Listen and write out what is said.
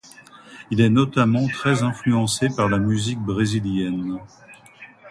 Il est notamment très influencé par la musique brésilienne.